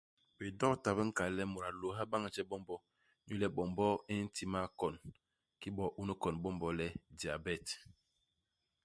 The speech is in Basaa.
Bidokta bi nkal le mut a lôôha bañ je bombo, inyu le bombo i nti makon. Kiki bo unu kon u bombo le diabet.